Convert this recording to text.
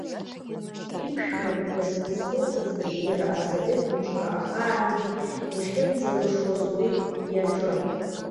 Иԥшәмаԥҳәыс, дызхылҵызгьы, иара асовет мчра ахаангьы иахьынӡалшоз уи иаҿын.